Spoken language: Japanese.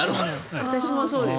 私もそうです。